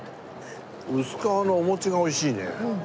薄皮のお餅が美味しいね